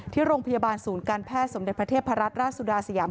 ที่โรงพยาบาลศูนย์การแพทย์สมเด็จพระเทพรัตนราชสุดาสยาม